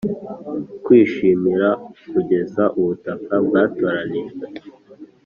kwishimira kugeza ubutaka bwatoranijwe,